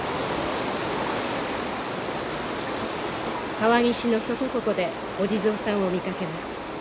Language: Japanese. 川岸のそこここでお地蔵さんを見かけます。